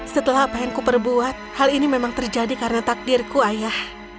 setelah apa yang kuperbuat hal ini memang terjadi karena takdirku ayah